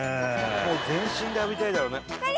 もう全身で浴びたいだろうね。